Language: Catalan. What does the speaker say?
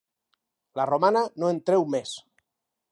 La romana no en treu més.